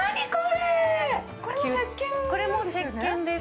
これもせっけんです。